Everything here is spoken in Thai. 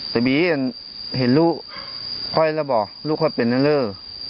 แต่บีเห็นลูกค่อยแล้วบอกลูกค่อยเป็นอะไร